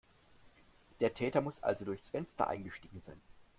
Der Täter muss also durchs Fenster eingestiegen sein.